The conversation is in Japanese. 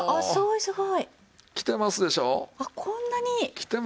すごい。